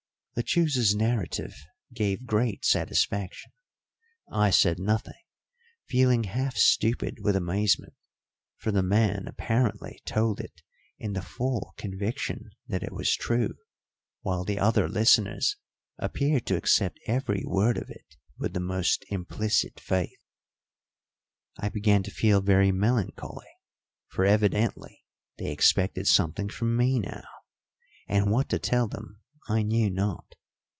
Lechuza's narrative gave great satisfaction. I said nothing, feeling half stupid with amazement, for the man apparently told it in the full conviction that it was true, while the other listeners appeared to accept every word of it with the most implicit faith. I began to feel very melancholy, for evidently they expected something from me now, and what to tell them I knew not.